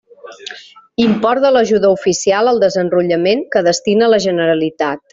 Import de l'ajuda oficial al desenrotllament que destina la Generalitat.